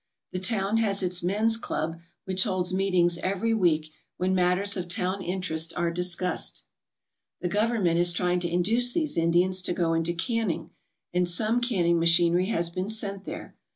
The town has its men's club, which holds meetings every week, when matters of town interest are discussed. The Government is trying to induce these Indians to go into canning and some canning machinery has been sent there.